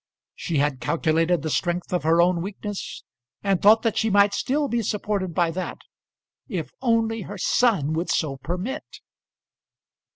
She had calculated the strength of her own weakness, and thought that she might still be supported by that, if only her son would so permit.